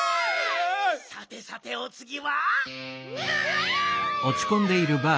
さてさておつぎは。